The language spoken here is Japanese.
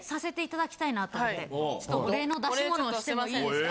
ちょっとお礼の出し物をしてもいいですか？